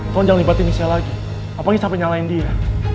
tolong jangan libatin saya lagi apalagi sampai nyalain dia